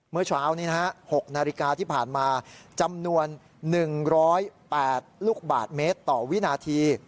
เมื่อเช้านี้นะฮะ๖นาฬิกาที่ผ่านมาจำนวน๑๐๘ลูกบาทเมตรต่อวินาที